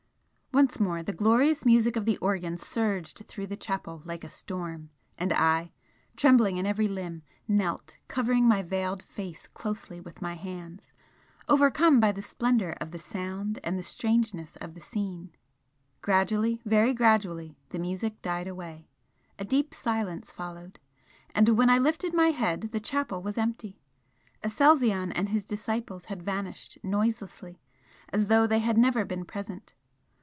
Once more the glorious music of the organ surged through the chapel like a storm, and I, trembling in every limb, knelt, covering my veiled face closely with my hands, overcome by the splendour of the sound and the strangeness of the scene. Gradually, very gradually, the music died away a deep silence followed and when I lifted my head, the chapel was empty! Aselzion and his disciples had vanished, noiselessly, as though they had never been present.